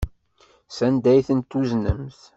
Sanda ay tent-tuznemt?